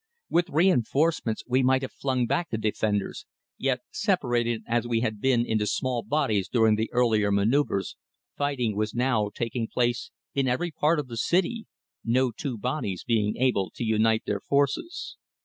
With reinforcements we might have flung back the defenders, yet separated as we had been into small bodies during the earlier manoeuvres, fighting was now taking place in every part of the city, no two bodies being able to unite their forces.